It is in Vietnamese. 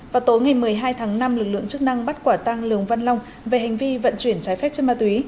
vào tối ngày một mươi hai tháng năm lực lượng chức năng bắt quả tăng lường văn long về hành vi vận chuyển trái phép chất ma túy